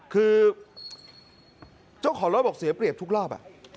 คือเจ้าของรถบอกเสียเปรียบทุกรอบ